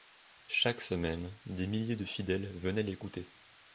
Chaque semaine, des milliers de fidèles venaient l'écouter.